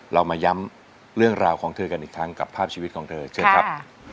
เรามาย้ำเรื่องราวของเธอกันอีกครั้งกับภาพชีวิตของเธอเชิญครับ